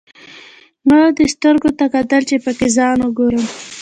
ما به دې سترګو ته کتل، چې پکې ځان وګورم.